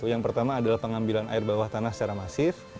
yang pertama adalah pengambilan air bawah tanah secara masif